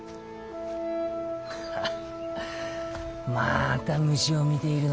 ハハまた虫を見ているのか？